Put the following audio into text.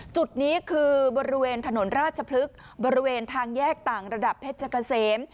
จุดนี้คือบริเวณถนนราชพฤกษ์บริเวณทางแยกต่างระดับเพชรเกษม